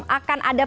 akan ada pendapat